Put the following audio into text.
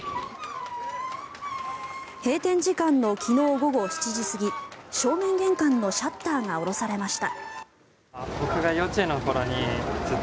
閉店時間の昨日午後７時過ぎ正面玄関のシャッターが下ろされました。